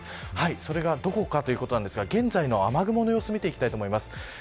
それがどこかということですが現在の雨雲の様子を見ていきます。